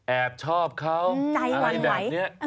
แอบชอบเขาใจหวั่นไหว